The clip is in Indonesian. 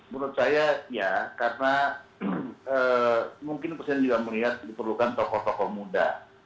menurut saya ya karena mungkin presiden juga melihat diperlukan tokoh tokoh muda